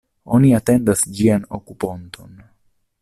Oni atendas ĝian okuponton.